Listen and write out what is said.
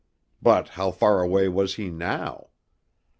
But how far away was he now?